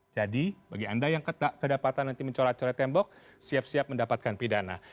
jadi bagi anda yang kedapatan nanti mencorak coret tembok siap siap mendapatkan pidana